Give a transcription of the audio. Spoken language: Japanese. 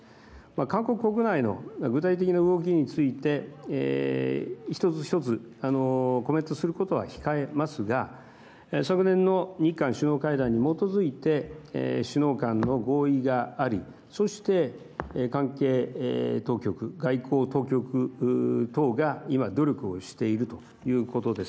韓国国内の具体的な動きについて一つ一つコメントすることは控えますが昨年の日韓首脳会談に基づいて首脳間の合意がありそして、関係当局外交当局等が今努力をしているということです。